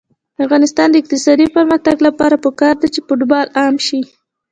د افغانستان د اقتصادي پرمختګ لپاره پکار ده چې فوټبال عام شي.